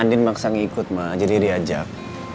andin maksa ngikut jadi diajak